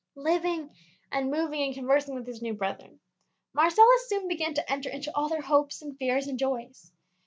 Living and moving and conversing with his new brethren, Marcellus soon began to enter into all their hopes and fears and joys.